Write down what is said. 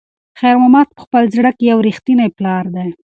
خیر محمد په خپل زړه کې یو رښتینی پلار دی.